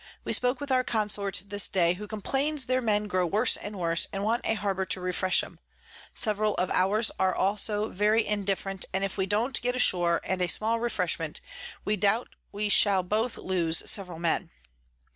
We spoke with our Consort this day, who complains their Men grow worse and worse, and want a Harbour to refresh 'em; several of ours are also very indifferent, and if we don't get ashore, and a small Refreshment, we doubt we shall both lose several Men.